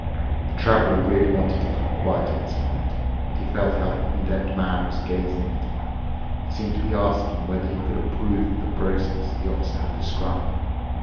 The Traveler really wanted to keep quiet at this point, but he felt how the Condemned Man was gazing at him—he seemed to be asking whether he could approve of the process the Officer had described.